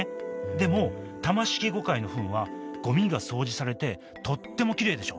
でもタマシキゴカイのフンはゴミが掃除されてとってもきれいでしょ？